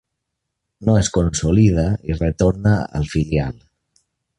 No es consolida i retorna al filial.